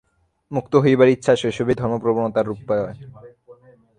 মুক্ত হইবার ইচ্ছা শৈশবেই ধর্মপ্রবণতার রূপ লয়।